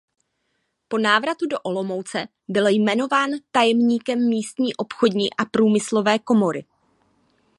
Po návratu do Olomouce byl jmenován tajemníkem místní obchodní a průmyslové komory.